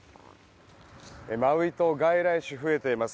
マウイ島外来種増えています。